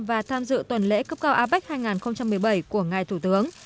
và tham dự tuần lễ cấp cao apec hai nghìn một mươi bảy của ngài thủ tướng